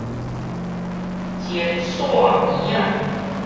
天線嬰仔